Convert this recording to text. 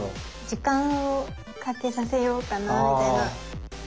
時間をかけさせようかなみたいな。